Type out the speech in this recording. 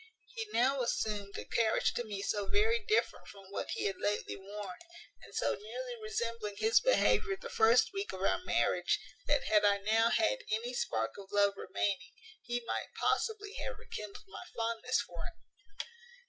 "He now assumed a carriage to me so very different from what he had lately worn, and so nearly resembling his behaviour the first week of our marriage, that, had I now had any spark of love remaining, he might, possibly, have rekindled my fondness for him.